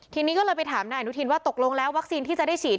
ทีนี้ก็เลยไปถามนายอนุทินว่าตกลงแล้ววัคซีนที่จะได้ฉีด